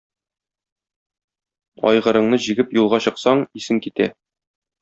Айгырыңны җигеп юлга чыксаң, исең китә!